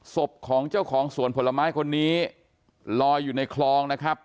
ศพของเจ้าของสวนผลไม้คนนี้ลอยอยู่ในคลองนะครับ